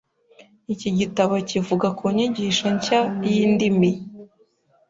Iki gitabo kivuga ku nyigisho nshya y’indimi.